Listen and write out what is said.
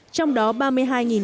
trong đó ba mươi hai tỷ yên